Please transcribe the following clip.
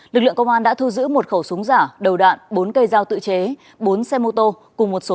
lực lượng công an đã thu giữ một khẩu súng giả đầu đạn bốn cây dao tự chế bốn xe mô tô cùng một số